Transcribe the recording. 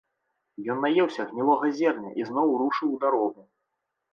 Ён наеўся гнілога зерня і зноў рушыў у дарогу.